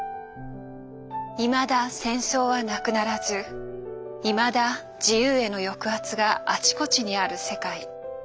いまだ戦争はなくならずいまだ自由への抑圧があちこちにある世界。